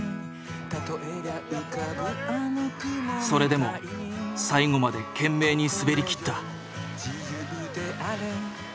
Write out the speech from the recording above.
それでも最後まで懸命に滑りきった。